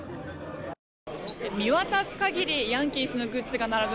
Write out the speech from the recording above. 見渡す限りヤンキースのグッズが並ぶ